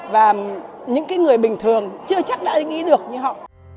và những người bình thường chưa chắc đã nghĩ được như họ